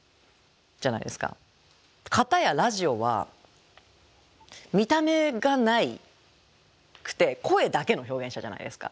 片やラジオは見た目がなくて声だけの表現者じゃないですか。